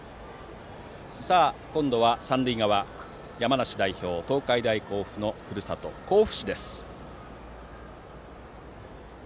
今度は三塁側山梨代表、東海大甲府のふるさと、甲府市です。